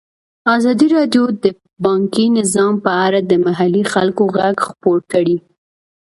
ازادي راډیو د بانکي نظام په اړه د محلي خلکو غږ خپور کړی.